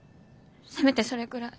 せめてそれくらい。